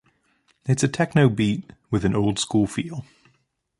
It's a techno beat with an old school feel.